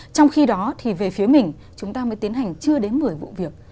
trong khi đó thì về phía mình chúng ta mới tiến hành chưa đến một mươi vụ việc